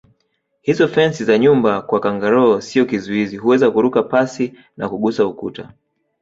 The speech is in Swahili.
Hizo fensi za nyumba kwa kangaroo sio kizuizi huweza kuruka pasi na kugusa ukuta